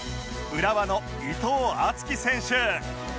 浦和の伊藤敦樹選手